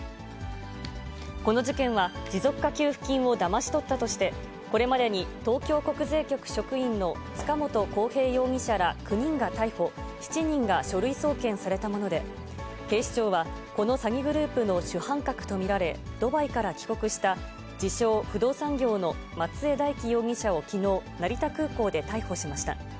この事件は、持続化給付金をだまし取ったとして、これまでに東京国税局職員の塚本晃平容疑者ら９人が逮捕、７人が書類送検されたもので、警視庁は、この詐欺グループの主犯格と見られ、ドバイから帰国した自称、不動産業の松江大樹容疑者をきのう、成田空港で逮捕しました。